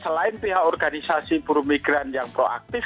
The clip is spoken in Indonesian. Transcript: selain pihak organisasi buru migran yang proaktif